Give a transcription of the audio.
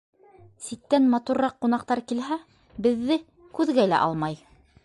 Ситтән матурыраҡ ҡунаҡтар килһә, беҙҙе күҙгә лә алмай.